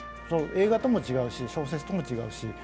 映画とも違うし小説とも違うし。